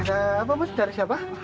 ada apa mas dari siapa